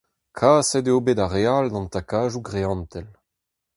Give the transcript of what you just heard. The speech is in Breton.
Kaset eo bet ar re all d'an takadoù greantel.